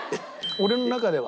俺の中では。